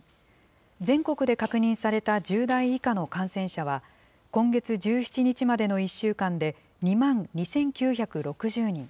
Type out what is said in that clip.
全国で確認された１０代以下の感染者は、今月１７日までの１週間で２万２９６０人。